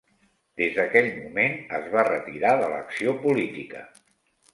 Des d'aquell moment es va retirar de l'acció política.